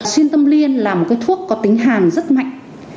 xuyên tâm liên là một cái thuốc có tính hàn rất mạnh